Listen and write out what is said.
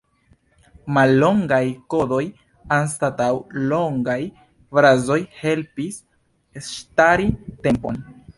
Mallongaj kodoj anstataŭ longaj frazoj helpis ŝpari tempon.